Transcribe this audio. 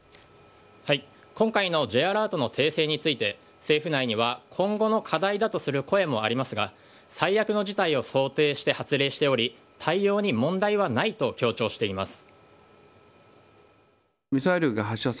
今回のＪアラートの訂正について政府内には今後の課題だとする声もありますが最悪の事態を想定して発令しており対応に問題はないと強調しています。